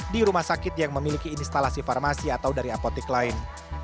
di rumah sakit yang memiliki instalasi farmasi atau dari apotik lain